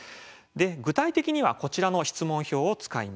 具体的にはこちらの質問票を使います。